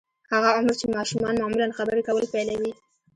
هغه عمر چې ماشومان معمولاً خبرې کول پيلوي.